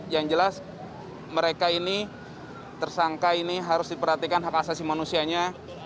yang jelas mereka ini tersangka ini harus diperhatikan hak asasi manusianya